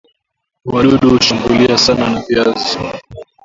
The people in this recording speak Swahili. wadudu hushambulia sana na viazi